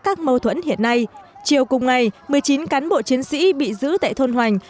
các mâu thuẫn hiện nay chiều cùng ngày một mươi chín cán bộ chiến sĩ bị giữ tại thôn hoành